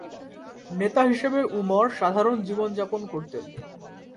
নেতা হিসেবে উমর সাধারণ জীবনযাপন করতেন।